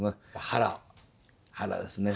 「腹」ですね。